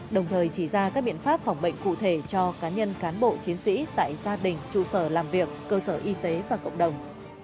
đồng thời chỉ ra các biện pháp phòng bệnh cụ thể cho cá nhân cán bộ chiến sĩ tại gia đình trụ sở làm việc cơ sở y tế và cộng đồng